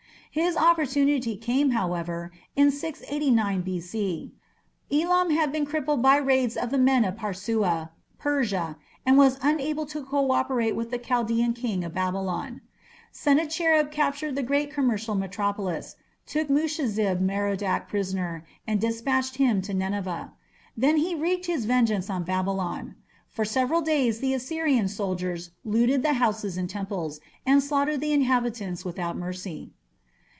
His opportunity came, however, in 689 B.C. Elam had been crippled by raids of the men of Parsua (Persia), and was unable to co operate with the Chaldaean king of Babylon. Sennacherib captured the great commercial metropolis, took Mushezib Merodach prisoner, and dispatched him to Nineveh. Then he wreaked his vengeance on Babylon. For several days the Assyrian soldiers looted the houses and temples, and slaughtered the inhabitants without mercy.